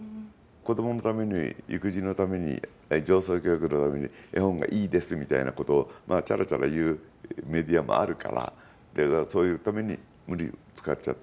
子どものために育児のために情操教育のために絵本がいいですみたいなことをチャラチャラ言うメディアもあるから無理に使っちゃってる。